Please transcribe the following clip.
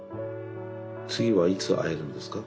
次はいつ会えるんですか？